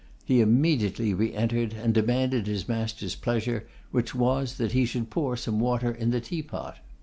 he immediately re entered, and demanded his master's pleasure, which was, that he should pour some water in the teapot.